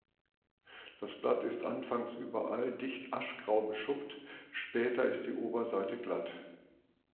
Das Blatt ist anfangs überall dicht aschgrau beschuppt; später ist die Oberseite glatt.